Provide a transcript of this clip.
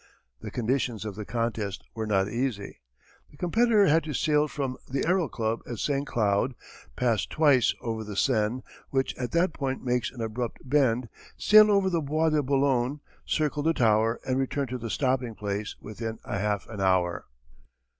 The conditions of the contest were not easy. The competitor had to sail from the Aero Club at St. Cloud, pass twice over the Seine which at that point makes an abrupt bend, sail over the Bois de Boulogne, circle the Tower, and return to the stopping place within a half an hour.